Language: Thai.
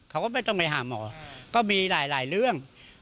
เขาก็ไม่ต้องไปหาหมอก็มีหลายเรื่อง